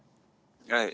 はい。